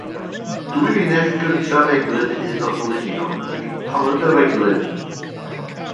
Dwy linell gyntaf englyn unodl union ydy paladr englyn.